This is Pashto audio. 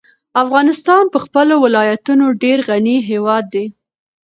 افغانستان په خپلو ولایتونو ډېر غني هېواد دی.